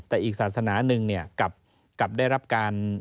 แต่อีกศาสนาหนึ่งกลับได้รับการ